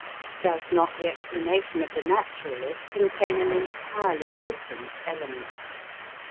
Does not the explanation of the naturalist contain an entirely different element?